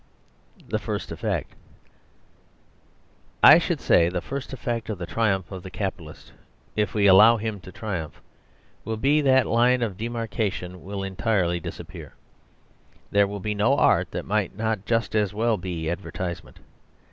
The First Effect I should say the first effect of the triumph of the capitalist (if we allow him to triumph) will be that that line of demarcation will entirely disappear. There will be no art that might not just as well be advertisement.